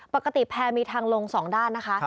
ปกติแพร่มีทางลง๒ด้านนะคะ